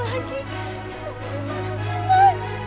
mana sih mas